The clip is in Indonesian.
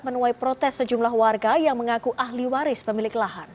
menuai protes sejumlah warga yang mengaku ahli waris pemilik lahan